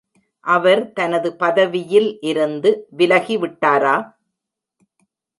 அவர் தனது பதவியில் இருந்து விலகிவிட்டாரா?